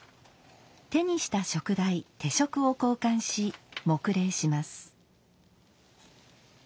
手にした燭台手燭を交換し黙礼します。